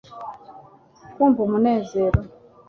kumva umunezero